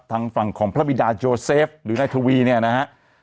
ทางฝั่งของพระบิดาโยเซฟหรือนายทวีเนี่ยนะฮะ